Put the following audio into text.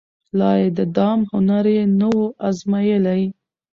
لا د دام هنر یې نه وو أزمېیلی